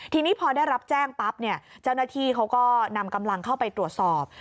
ทีนี้พอได้รับแจ้งปั๊บเนี่ยเจ้าหน้าที่เขาก็นำกำลังเข้าไปตรวจสอบ